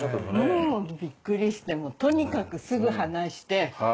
もうびっくりしてとにかくすぐ離して。